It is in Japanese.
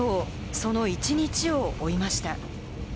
その一日を追いました。